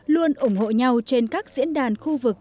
luôn ủng hộ nhau trên các diễn đàn khu vực